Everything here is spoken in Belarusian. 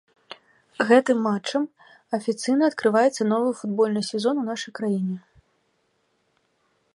Гэтым матчам афіцыйна адкрываецца новы футбольны сезон у нашай краіне.